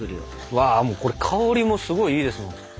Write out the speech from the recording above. うわこれ香りもすごいいいですもん。